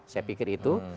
saya pikir itu